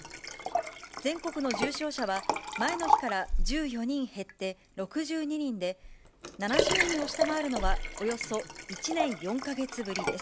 全国の重症者は、前の日から１４人減って６２人で、７０人を下回るのは、およそ１年４か月ぶりです。